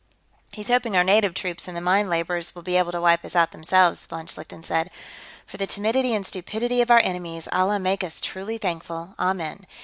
"He's hoping our native troops and the mine laborers will be able to wipe us out, themselves," von Schlichten said. "For the timidity and stupidity of our enemies, Allah make us truly thankful, amen.